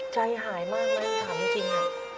ใจหายมากนะถามจริง